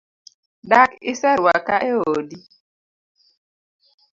Dak iseruaka e odi?